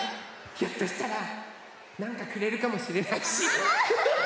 ひょっとしたらなんかくれるかもしれないし。